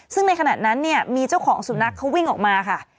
ซึ่งในขณะนั้นเนี่ยมีเจ้าของสุนัขเขาวิ่งออกมาค่ะ